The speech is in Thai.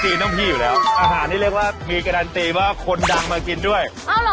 จริงแล้วเนี่ยเอาดี